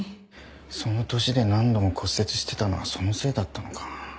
その年で何度も骨折してたのはそのせいだったのか。